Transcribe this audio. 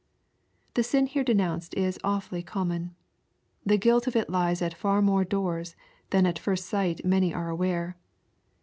The sin here denounced is awfully common. The guilt of it lies at far more doors than at first sight many are aware.